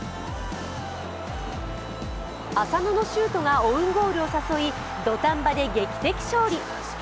浅野のシュートがオウンゴールを誘い、土壇場で劇的勝利。